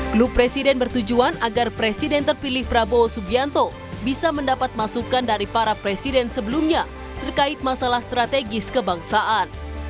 klub presiden bertujuan agar presiden terpilih prabowo subianto bisa mendapat masukan dari para presiden sebelumnya terkait masalah strategis kebangsaan